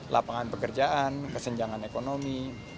lapangan pekerjaan kesenjangan ekonomi